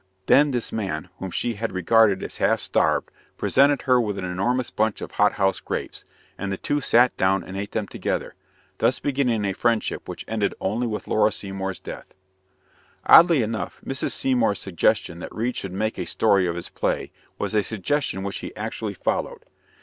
Then this man, whom she had regarded as half starved, presented her with an enormous bunch of hothouse grapes, and the two sat down and ate them together, thus beginning a friendship which ended only with Laura Seymour's death. Oddly enough, Mrs. Seymour's suggestion that Reade should make a story of his play was a suggestion which he actually followed.